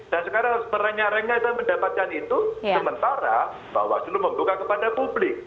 dan sekarang harus merenya renya itu pendapatan itu sementara pak wadud membuka kepada publik